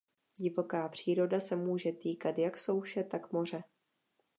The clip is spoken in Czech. Divoká příroda se může týkat jak souše, tak moře.